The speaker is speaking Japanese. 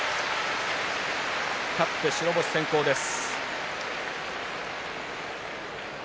勝って白星先行です。